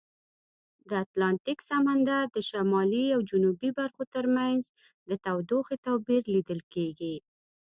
د اتلانتیک سمندر د شمالي او جنوبي برخو ترمنځ د تودوخې توپیر لیدل کیږي.